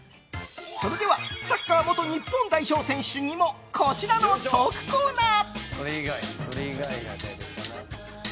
それではサッカー元日本代表選手にもこちらのトークコーナー。